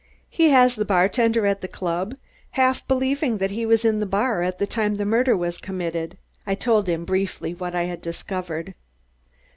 He has the bartender at the club half believing that he was in the bar at the time the murder was committed." I told him briefly what I had discovered.